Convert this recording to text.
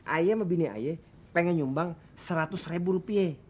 ayah sama bini aye pengen nyumbang seratus ribu rupiah